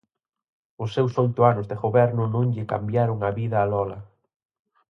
Os seus oito anos de Goberno non lle cambiaron a vida a Lola.